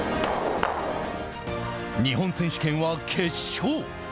日本選手権は決勝。